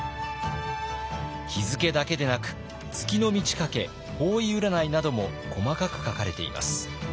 日付だけでなく月の満ち欠け方位占いなども細かく書かれています。